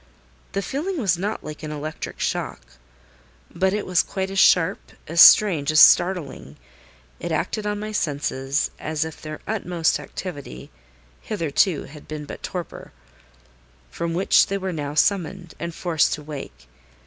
The feeling was not like an electric shock, but it was quite as sharp, as strange, as startling: it acted on my senses as if their utmost activity hitherto had been but torpor, from which they were now summoned and forced to wake.